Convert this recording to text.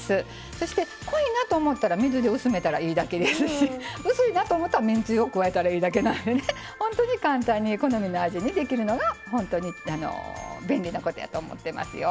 そして濃いなと思ったら水で薄めたらいいだけですし薄いなと思ったらめんつゆを加えたらいいだけなので本当に簡単に好みの味にできるのが本当に便利なことやと思ってますよ。